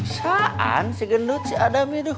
saan si gendut si adam ini